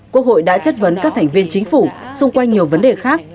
quốc hội đã chất vấn các thành viên chính phủ xung quanh nhiều vấn đề khác